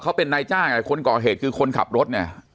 เขาเป็นนายจ้างอ่ะคนก่อเหตุคือคนขับรถเนี่ย